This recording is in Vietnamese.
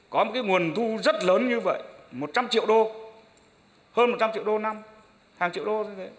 có một nguồn thu rất lớn như vậy một trăm linh triệu đô hơn một trăm linh triệu đô năm hàng triệu đô